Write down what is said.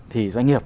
thì doanh nghiệp